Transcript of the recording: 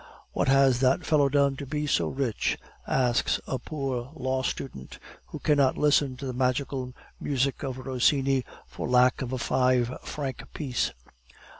"What has that fellow done to be so rich?" asks a poor law student, who cannot listen to the magical music of Rossini for lack of a five franc piece.